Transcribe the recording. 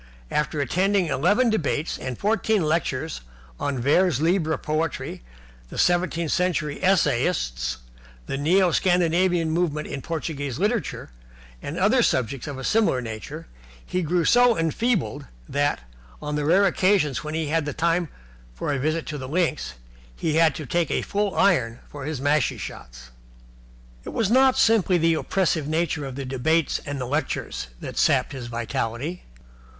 After attending eleven debates and fourteen lectures on vers libre Poetry, the Seventeenth Century Essayists, the Neo Scandinavian Movement in Portuguese Literature, and other subjects of a similar nature, he grew so enfeebled that, on the rare occasions when he had time for a visit to the links, he had to take a full iron for his mashie shots. It was not simply the oppressive nature of the debates and lectures that sapped his vitality.